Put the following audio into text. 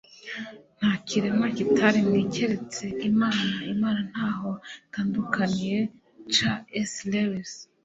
nta kiremwa kitaremwe keretse imana imana ntaho itandukaniye - c s lewis